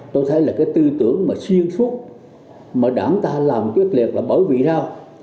tôi thấy là cái tư tưởng mà xuyên suốt mà đảng ta làm quyết liệt là bởi vì sao